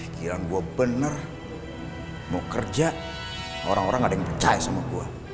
kira kira gue bener mau kerja orang orang gak ada yang percaya sama gue